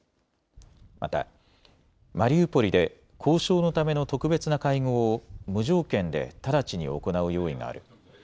また、マリウポリで交渉のための特別な会合を無条件で直ちに行う用意がある。